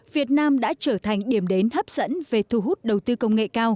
việt nam đã trở thành điểm đến hấp dẫn về thu hút đầu tư công nghệ cao